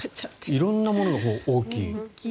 色んなものが大きい。